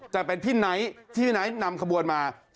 แต่เป็นพี่ไหนที่ไหนนำขบวนมา